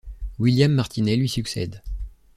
William Martinet lui succède.